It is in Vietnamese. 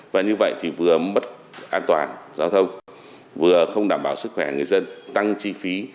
và như vậy thì vừa mất an toàn giao thông vừa không đảm bảo sức khỏe người dân tăng chi phí